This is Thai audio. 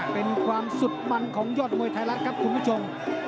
เป็นความสุดมันของยอดมวยไทยรัฐครับคุณผู้ชม